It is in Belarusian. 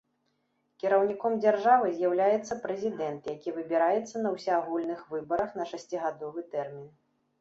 Кіраўніком дзяржавы з'яўляецца прэзідэнт, які выбіраецца на ўсеагульных выбарах на шасцігадовы тэрмін.